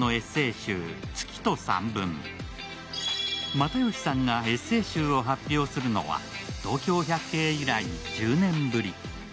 又吉さんがエッセー集を発表するのは「東京百景」以来１０年ぶり。